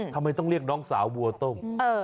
ทำไมต้องเรียกน้องสาววัวต้ม